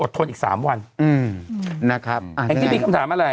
อดทนอีก๓วันนะครับอันนี้มีคำถามอะไร